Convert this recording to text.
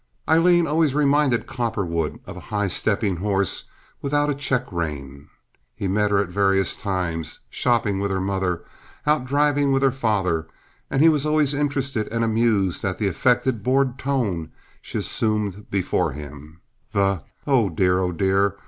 Aileen always reminded Cowperwood of a high stepping horse without a check rein. He met her at various times, shopping with her mother, out driving with her father, and he was always interested and amused at the affected, bored tone she assumed before him—the "Oh, dear! Oh, dear!